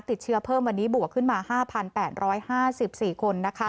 ติดเชื้อเพิ่มวันนี้บวกขึ้นมา๕๘๕๔คนนะคะ